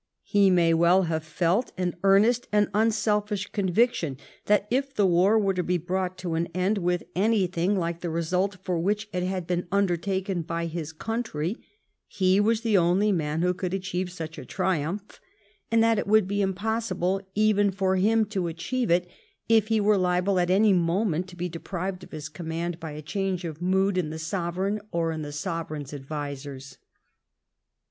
He may well have felt an earnest and unselfish conviction that if the war were to be brought to an end with anything like the result for which it had been undertaken by his country, he was the only man who could achieve such a triumph, and that it would be impossible even for him to achieve it if he were liable at any moment to be deprived of his command by a change of mood in the sovereign or in the sovereign's advisers.